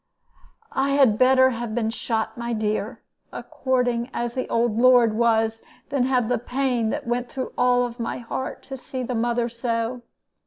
"I had better have been shot, my dear, according as the old lord was, than have the pain that went through all my heart, to see the mother so.